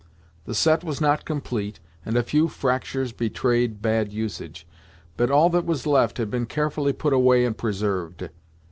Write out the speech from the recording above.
The set was not complete, and a few fractures betrayed bad usage; but all that was left had been carefully put away and preserved.